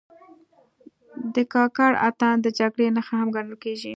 د کاکړ اتن د جګړې نښه هم ګڼل کېږي.